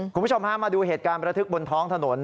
คุณผู้ชมฮะมาดูเหตุการณ์ประทึกบนท้องถนน